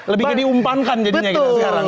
lebih ke diumpankan jadinya gitu sekarang